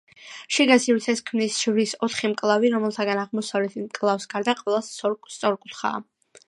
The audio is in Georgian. შიგა სივრცეს ქმნის ჯვრის ოთხი მკლავი, რომელთაგან აღმოსავლეთი მკლავის გარდა ყველა სწორკუთხაა.